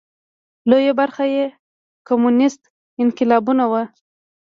لویه برخه یې کمونېستي انقلابیون وو.